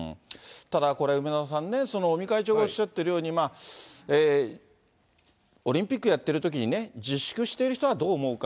ただこれ、梅沢さんね、尾身会長がおっしゃってるように、オリンピックやってるときにね、自粛している人はどう思うか。